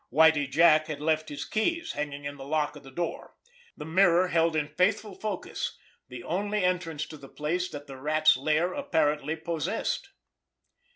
Whitie Jack had left his keys hanging in the lock of the door—the mirror held in faithful focus the only entrance to the place that the Rat's lair apparently possessed!